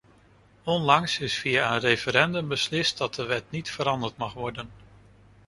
Onlangs is via een referendum beslist dat de wet niet veranderd mag worden.